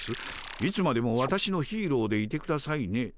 いつまでもわたしのヒーローでいてくださいねだと？